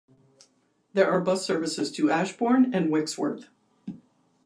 There are bus services to Ashbourne and Wirksworth.